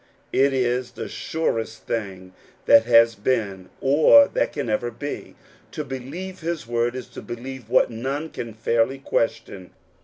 It is the surest thing that has been, or that can ever be. To believe his word is to believe what none can fairly question.